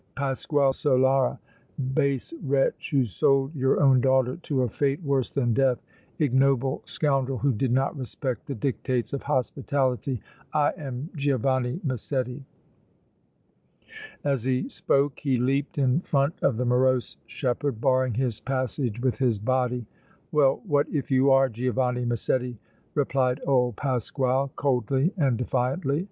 Pasquale Solara, base wretch who sold your own daughter to a fate worse than death, ignoble scoundrel who did not respect the dictates of hospitality, I am Giovanni Massetti!" As he spoke he leaped in front of the morose shepherd, barring his passage with his body. "Well, what if you are Giovanni Massetti!" replied old Pasquale, coldly and defiantly.